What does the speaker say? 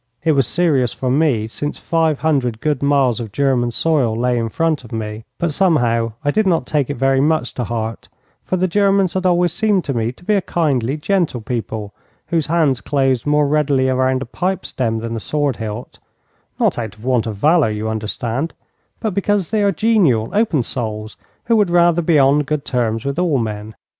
It was serious for me, since 500 good miles of German soil lay in front of me; but somehow I did not take it very much to heart, for the Germans had always seemed to me to be a kindly, gentle people, whose hands closed more readily round a pipe stem than a sword hilt not out of want of valour, you understand, but because they are genial, open souls, who would rather be on good terms with all men.